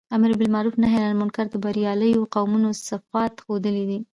امر باالمعروف او نهي عنالمنکر د برياليو قومونو صفات ښودلي دي.